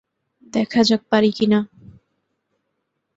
দেখা যাক পারি কিনা।